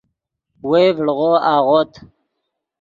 وئے ڤڑغو اغوت